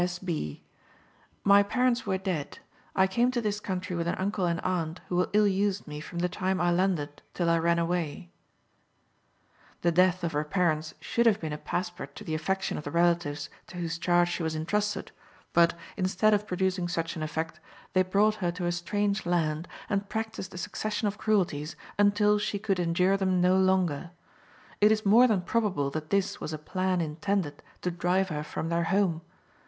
S. B.: "My parents were dead. I came to this country with an uncle and aunt, who ill used me from the time I landed till I ran away." The death of her parents should have been a passport to the affection of the relatives to whose charge she was intrusted, but, instead of producing such an effect, they brought her to a strange land, and practiced a succession of cruelties, until she could endure them no longer. It is more than probable that this was a plan intended to drive her from their home.